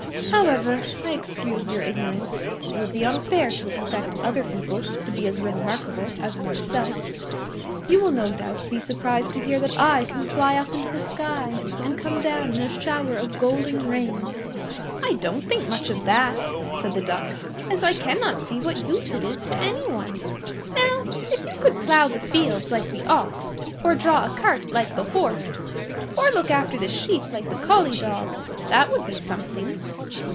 However, I excuse your ignorance. It would be unfair to expect other people to be as remarkable as oneself. You will no doubt be surprised to hear that I can fly up into the sky, and come down in a shower of golden rain." "I don't think much of that," said the Duck, "as I cannot see what use it is to any one. Now, if you could plough the fields like the ox, or draw a cart like the horse, or look after the sheep like the collie dog, that would be something."